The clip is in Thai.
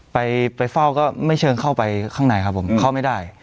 ไปไปเฝ้าก็ไม่เชิงเข้าไปข้างในครับผมเข้าไม่ได้